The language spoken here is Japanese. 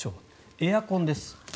エアコンです。